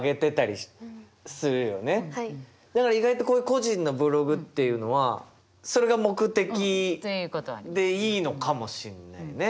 だから意外とこういう個人のブログっていうのはそれが目的でいいのかもしんないね。